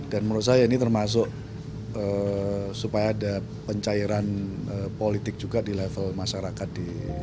dan menurut saya ini termasuk supaya ada pencairan politik juga di level masyarakat